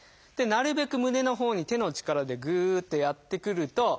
なるべく胸のほうに手の力でぐってやってくると。